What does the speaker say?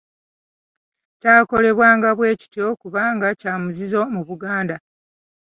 Kyakolebwanga bwe kityo kubanga kya muzizo mu Buganda.